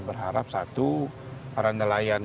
berharap satu para nelayan